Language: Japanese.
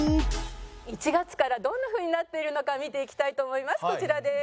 １月からどんなふうになっているのか見ていきたいと思います。